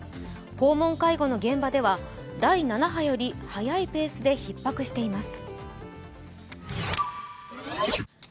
訪問介護の現場では第７波より早いペースでひっ迫しています。